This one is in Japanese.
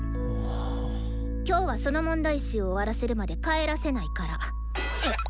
今日はその問題集終わらせるまで帰らせないから。